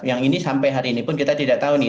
yang ini sampai hari ini pun kita tidak tahu nih